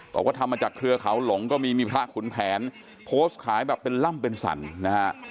บอกว่าทำมาจากเครือเขาหลงก็มีมีพระขุนแผนโพสต์ขายแบบเป็นล่ำเป็นสรรนะฮะ